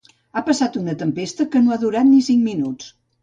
Ha passat una tempesta que no ha durat ni cinc minuts